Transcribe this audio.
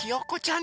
ん？